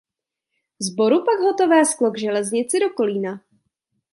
Z Boru pak hotové sklo k železnici do Kolína.